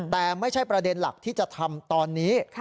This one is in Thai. แต่ไม่ใช่ประเด็นหลักที่จะทำตอนนี้